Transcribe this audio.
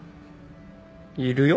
いるよ。